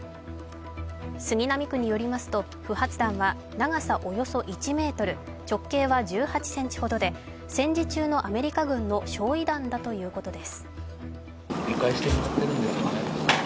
杉並区によりますと不発弾は長さおよそ１ｍ、直径は１８ｃｍほどで戦時中のアメリカ軍の焼い弾だということです。